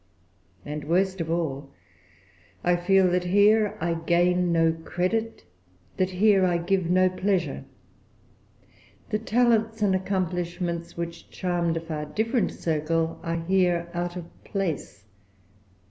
And, worst of all, I feel that here I gain no credit, that here I give no pleasure. The talents and accomplishments which charmed a far different circle are here out of place.